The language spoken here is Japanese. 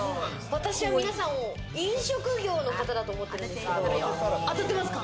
私は皆さんを飲食業の方だと思ってるんですけど、当たってますか？